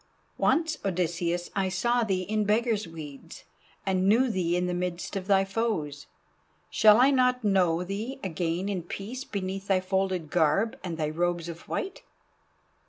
Once, Odysseus, I saw thee in beggar's weeds, and knew thee in the midst of thy foes. Shall I not know thee again in peace beneath thy folded garb and thy robes of white?"